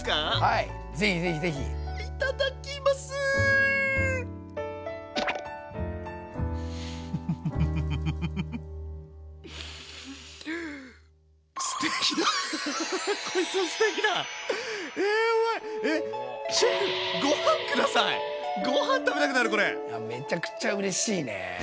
いやめちゃくちゃうれしいね。